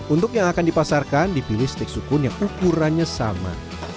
untuk yang akan dipasarkan dipilih steak sukun yang ukurannya sama